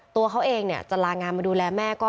ตัวเขาเองเนี่ยจะลางานมาดูแลแม่ก็